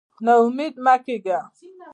نا امېد مه کېږه.